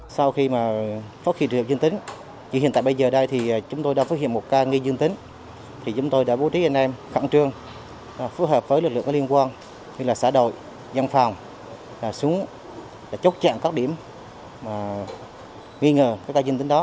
sau khi phát khí triệu dân tính chỉ hiện tại bây giờ đây thì chúng tôi đã phát hiện một ca nghi dân tính thì chúng tôi đã bố trí anh em khẳng trương phù hợp với lực lượng liên quan như là xã đội dân phòng xuống chốc chạm các điểm nghi ngờ các ca dân tính đó